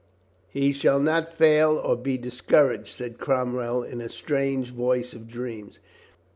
"He shall not fail or be discouraged," said Cromwell in a strange voice of dreams.